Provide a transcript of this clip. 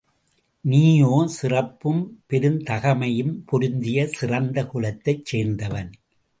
நீயோ சிறப்பும் பெருந்தகைமையும் பொருந்திய சிறந்த குலத்தைச் சேர்ந்தவன்.